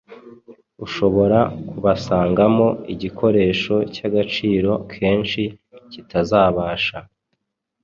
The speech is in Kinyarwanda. ushobora kubasangamo igikoresho cy’agaciro kenshi kitazabasha